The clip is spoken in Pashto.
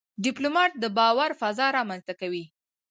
ډيپلومات د باور فضا رامنځته کوي.